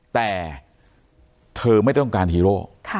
แต่เธอไม่ต้องการฮีโร่